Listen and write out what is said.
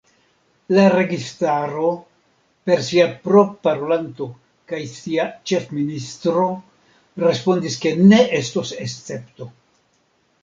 La registaro, per sia proparolanto kaj sia ĉefministro respondis ke ne estos escepto.